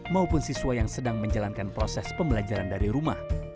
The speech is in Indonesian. maupun siswa yang sedang menjalankan proses pembelajaran dari rumah